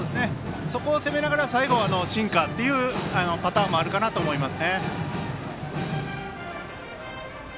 そこを攻めながら最後シンカーのパターンもあると思います。